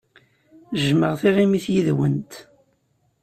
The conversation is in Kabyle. Jjmeɣ tiɣimit yid-went.